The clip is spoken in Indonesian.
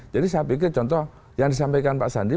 jadi saya pikir contoh yang disampaikan pak sandi